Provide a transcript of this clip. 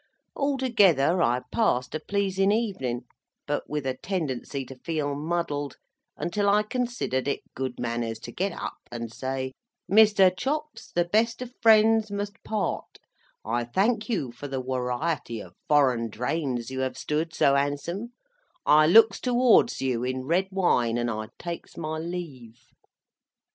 Altogether, I passed a pleasin evenin, but with a tendency to feel muddled, until I considered it good manners to get up and say, "Mr. Chops, the best of friends must part, I thank you for the wariety of foreign drains you have stood so 'ansome, I looks towards you in red wine, and I takes my leave."